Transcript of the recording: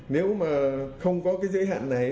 nếu mà không có cái giới hạn này